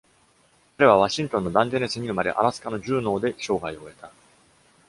彼はワシントンのダンジェネスに生まれ、アラスカのジューノーで生涯を終えた。